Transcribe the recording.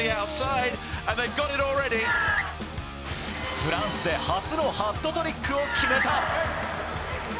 フランスで初のハットトリックを決めた。